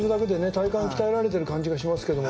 体幹鍛えられてる感じがしますけども。